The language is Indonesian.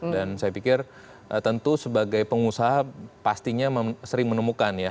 dan saya pikir tentu sebagai pengusaha pastinya sering menemukan ya